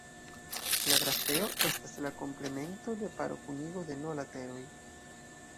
La grafeo estas la komplemento de paro-kunigo de "n" lateroj.